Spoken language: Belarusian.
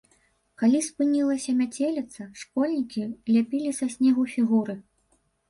Калі спынілася мяцеліца, школьнікі ляпілі са снегу фігуры.